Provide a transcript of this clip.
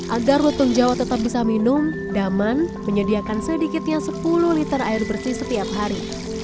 agar lutung jawa tetap bisa minum daman menyediakan sedikitnya sepuluh liter air bersih setiap hari